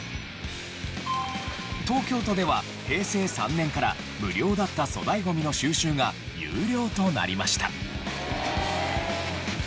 東京都では平成３年から無料だった粗大ゴミの収集が有料となりました。